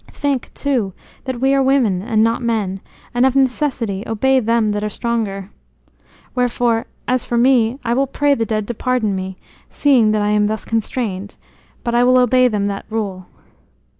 Think, too, that we are women and not men, and of necessity obey them that are stronger. Wherefore, as for me, I will pray the dead to pardon me, seeing that I am thus constrained; but I will obey them that rule."